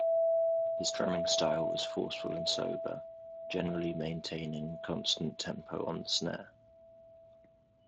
His drumming style was forceful and sober, generally maintaining constant tempo on the snare.